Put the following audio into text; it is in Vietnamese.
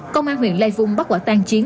công an huyện lai vung bắt quả tan chiến